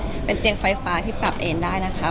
เป็นเตียงไฟฟ้าที่ปรับเอนได้นะคะ